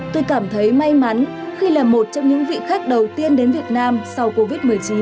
tôi cảm thấy may mắn khi là một trong những vị khách đầu tiên đến việt nam sau covid một mươi chín